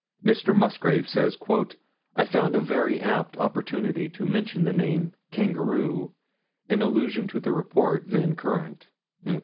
Mr. Musgrave says: "I found a very apt opportunity to mention the name 'kangaroo' in allusion to the report then current."